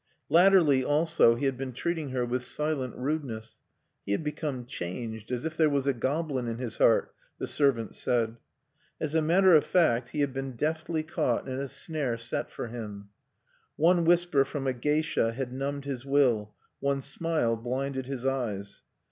Latterly, also, he had been treating her with silent rudeness. He had become changed, "as if there was a goblin in his heart," the servants said. As a matter of fact he had been deftly caught in a snare set for him. One whisper from a geisha had numbed his will; one smile blinded his eyes.